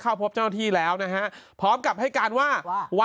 เข้าพบเจ้าหน้าที่แล้วนะฮะพร้อมกับให้การว่า